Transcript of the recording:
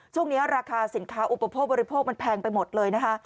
ช่วงนี้ราคาสินค้าอุปโภคบริโภคมันแพงไปหมดเลยนะคะ